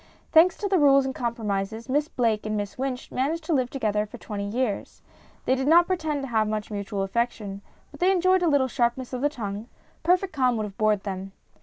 Thanks to the rules and compromises, Miss Blake and Miss Wynch managed to live together for twenty years. They did not pretend to have much mutual affection, but they enjoyed a little sharpness of the tongue ; perfect calm would have bored them.